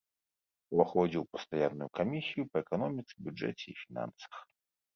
Уваходзіў у пастаянную камісію па эканоміцы, бюджэце і фінансах.